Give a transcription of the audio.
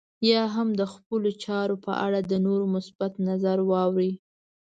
يا هم د خپلو چارو په اړه د نورو مثبت نظر واورئ.